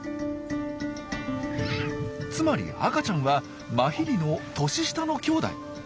つまり赤ちゃんはマヒリの年下のきょうだい。